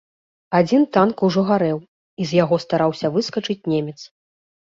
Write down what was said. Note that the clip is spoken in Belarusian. Адзін танк ужо гарэў, і з яго стараўся выскачыць немец.